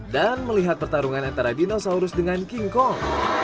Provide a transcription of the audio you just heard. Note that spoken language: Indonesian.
dan melihat pertarungan antara dinosaurus dengan king kong